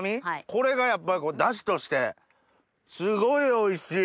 これがやっぱりだしとしてすごいおいしい。